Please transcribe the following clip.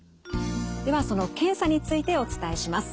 ではその検査についてお伝えします。